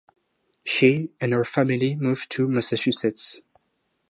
She and her family moved to Massachusetts.